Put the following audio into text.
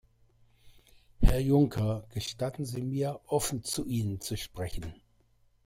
Herr Juncker, gestatten Sie mir, offen zu Ihnen zu sprechen.